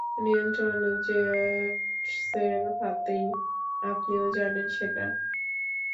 নিয়ন্ত্রণ জেটসের হাতেই, আপনিও জানেন সেটা।